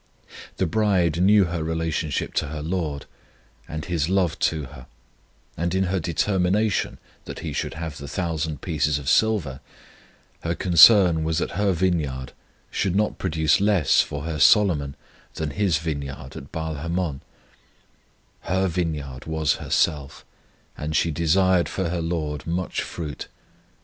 The bride knew her relationship to her LORD, and His love to her; and in her determination that He should have the thousand pieces of silver, her concern was that her vineyard should not produce less for her Solomon than His vineyard at Baal hamon; her vineyard was herself, and she desired for her LORD much fruit.